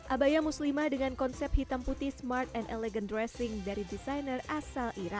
abaya muslimah dengan konsep hitam putih smart and elegan dressing dari desainer asal iran